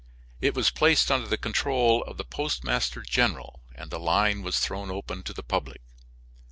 It was placed under the control of the postmaster general, and the line was thrown open to the public.